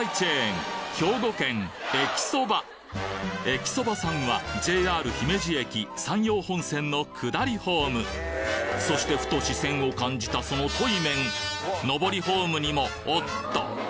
えきそばさんはＪＲ姫路駅山陽本線の下りホームそしてふと視線を感じたその対面上りホームにもおっと！